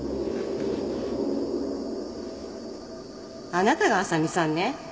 あなたが麻美さんね